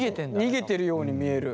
逃げてるように見える。